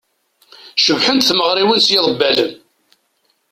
Cebḥent tmeɣriwin s yiḍebbalen.